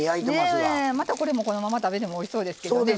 またこれもこのまま食べてもおいしそうですけどね。